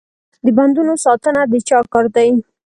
د بندونو ساتنه د چا کار دی؟